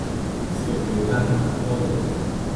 Xỉa tiền ra đặt cọc cho rồi